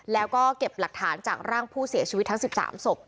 แล้วก็เก็บหลักฐานจากร่างผู้เสียชีวิตทั้ง๑๓ศพ